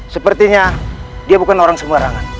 sepertinya dia bukan orang sembarangan